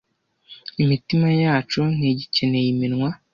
imitima yacu ntigikeneye iminwa